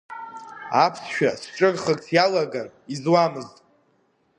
Аԥсшәа сҿырхырц иалаган, изуамызт…